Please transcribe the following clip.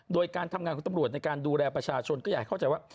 โดยการทำงานของตำรวจในการดูแลประชาชนก็อยากเข้าใจว่า